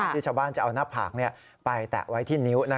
ที่ชาวบ้านจะเอาหน้าผากไปแตะไว้ที่นิ้ว